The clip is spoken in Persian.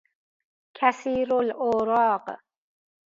کثیرالاوراق